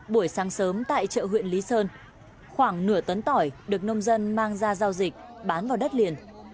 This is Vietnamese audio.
buổi sáng sớm tại chợ huyện lý sơn khoảng nửa tấn tỏi được nông dân mang ra giao dịch bán vào đất liền